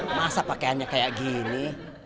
masa pakaiannya kayak gini